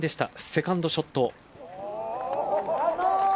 セカンドショット。